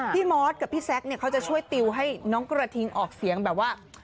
มอสกับพี่แซคเนี่ยเขาจะช่วยติวให้น้องกระทิงออกเสียงแบบว่า